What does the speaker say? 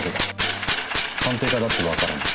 鑑定家だってわからない。